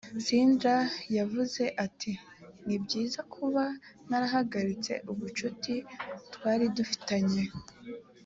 cindy yaravuze ati ni byiza kuba narahagaritse ubucuti twari dufitanye